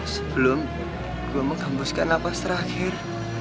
sebelum gue menghambuskan nafas terakhir